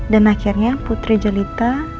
dan akhirnya putri jelita